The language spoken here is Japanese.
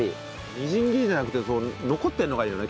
みじん切りじゃなくて残ってるのがいいよね